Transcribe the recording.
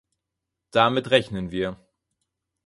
Damit rechnen wir.